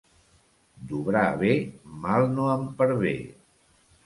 D'obrar bé mal no en pervé.